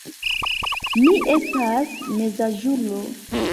Mi estas mezaĝulo.